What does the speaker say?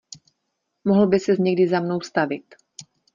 Mohl by ses někdy za mnou stavit.